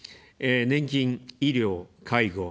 年金・医療・介護。